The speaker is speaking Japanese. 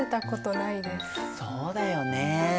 そうだよね。